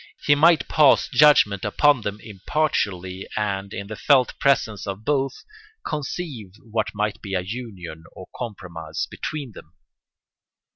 He might pass judgment upon them impartially and, in the felt presence of both, conceive what might be a union or compromise between them.